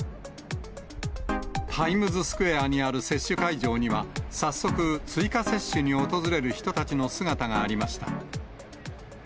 タイムズスクエアにある接種会場には、早速、追加接種に訪れる人たちの姿がありました。